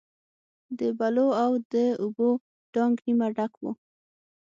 د بلو د اوبو ټانک نیمه ډک و.